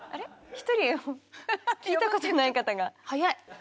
１人聞いたことない方が。